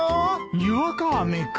にわか雨か。